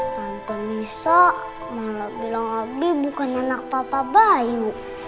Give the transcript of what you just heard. tante lisa malah bilang abi bukan anak papa bayu